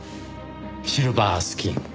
シルバースキン。